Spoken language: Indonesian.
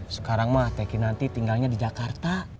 sekarang mah teh kinanti tinggalnya di jakarta